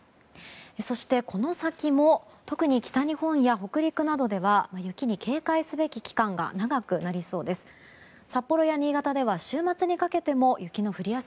そして、この先も特に北日本や北陸などでは雪に警戒すべき期間が長くなりそうです。